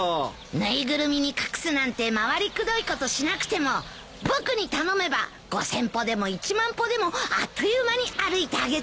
縫いぐるみに隠すなんて回りくどいことしなくても僕に頼めば５，０００歩でも１万歩でもあっという間に歩いてあげたのに。